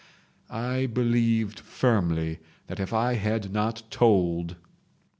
. "I believed firmly that if I had not told—